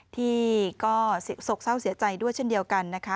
ที่ก็โศกเศร้าเสียใจด้วยเช่นเดียวกันนะคะ